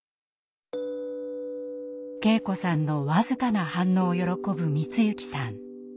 圭子さんの僅かな反応を喜ぶ光行さん。